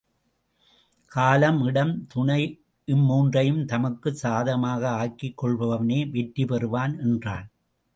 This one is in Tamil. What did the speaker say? காலம், இடம், துணை இம்மூன்றையும் தமக்குச் சாதகமாக ஆக்கிக் கொள்பவனே வெற்றி பெறுவான் எனறான்.